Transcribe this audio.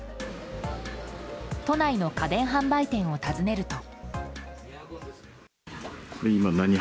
都内の家電販売店を訪ねると。